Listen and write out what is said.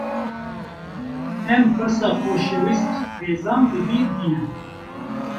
Em pirsa xoşewîst Rêzan bi bîr bînin